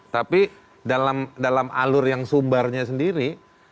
tapi dalam alur yang sumbarnya sendiri